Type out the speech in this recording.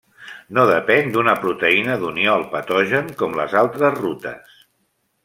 No depèn d'una proteïna d'unió al patogen com les altres rutes.